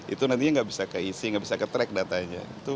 itu nantinya nggak bisa keisi nggak bisa ketrek datanya